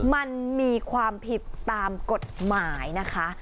มันมีความผิดตามกฎหมายนะคะ